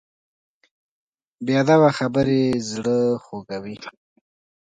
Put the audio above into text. بې ادبه خبرې زړه خوږوي.